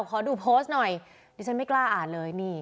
ขอดูโพสต์หน่อยดิฉันไม่กล้าอ่านเลยนี่